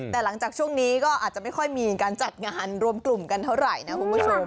แต่หลังจากช่วงนี้ก็อาจจะไม่ค่อยมีการจัดงานรวมกลุ่มกันเท่าไหร่นะคุณผู้ชม